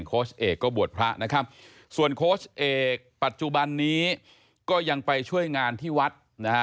เอกก็บวชพระนะครับส่วนโค้ชเอกปัจจุบันนี้ก็ยังไปช่วยงานที่วัดนะฮะ